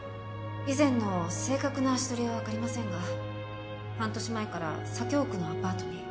以前の正確な足取りはわかりませんが半年前から左京区のアパートに。